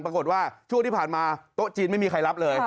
ปรากฏว่าช่วงที่ผ่านมาโต๊ะจีนไม่มีใครรับเลย